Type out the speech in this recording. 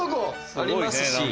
ありますし。